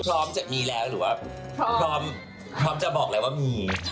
พร้อมจะมีแล้วหรือว่าพร้อมจะบอกแล้วว่ามี